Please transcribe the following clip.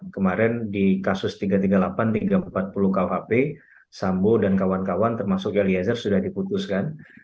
kemarin di kasus tiga ratus tiga puluh delapan tiga ratus empat puluh kuhp sambo dan kawan kawan termasuk eliezer sudah diputuskan